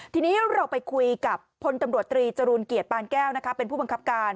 ทีนี้เราไปคุยกับพลตำรวจตรีจรูลเกียรติปานแก้วเป็นผู้บังคับการ